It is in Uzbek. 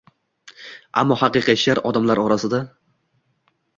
ammo haqiqiy she’r – odamlar orasida.